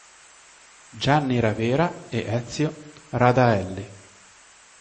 Gianni Ravera e Ezio Radaelli